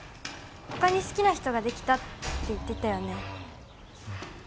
他に好きな人ができたって言ってたよね？